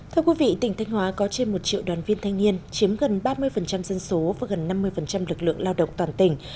thưa quý vị tỉnh thanh hóa có trên một triệu đoàn viên thanh niên chiếm gần ba mươi dân số và gần năm mươi lực lượng lao động toàn tỉnh